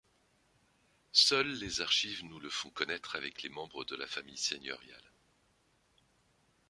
Seules les archives nous le font connaître avec les membres de la famille seigneuriale.